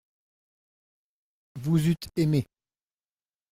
Vous eûtes aimé.